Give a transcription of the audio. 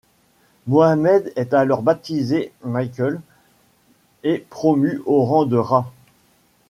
Mohammed est alors baptisé Mikael et promu au rang de Ras.